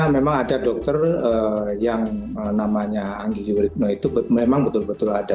memang ada dokter yang namanya anggi yurikno itu memang betul betul ada